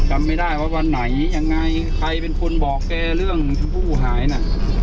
จำไม่ได้ว่าวันไหนยังไงใครเป็นคนบอกแกเรื่องชมพู่หายน่ะ